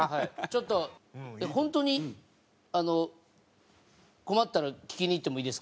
ちょっとでも本当にあの困ったら聞きに行ってもいいですか？